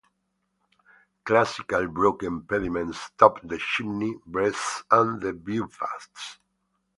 Classical broken pediments top the chimney breast and the beaufats.